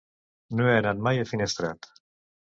No he anat mai a Finestrat.